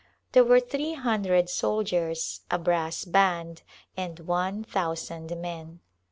There were three hundred soldiers, a brass band, and one thousand men.